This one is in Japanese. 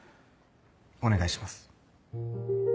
お願いします。